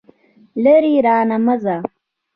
لرې رانه مه ځه.